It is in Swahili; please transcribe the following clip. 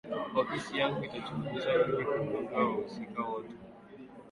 ofisi yangu itachunguza ili kugundua wahusika wote